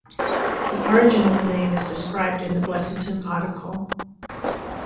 The origin of the name is described in the Blessington article.